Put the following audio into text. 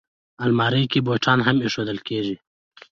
الماري کې بوټان هم ایښودل کېږي